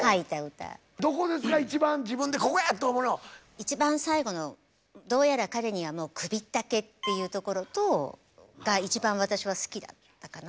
一番最後の「どうやら彼にはもうくびったけ」っていうところが一番私は好きだったかな。